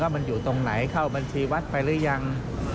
มันอยู่ตรงไหนเข้าบัญชีวัดไปหรือยัง